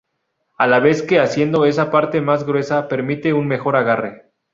A la vez que haciendo esa parte más gruesa, permite un mejor agarre.